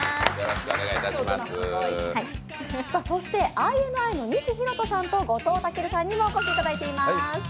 そしてＩＮＩの西洸人さんと後藤威尊さんにもお越しいただいています。